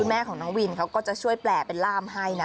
แม่ของน้องวินเขาก็จะช่วยแปลเป็นล่ามให้นะ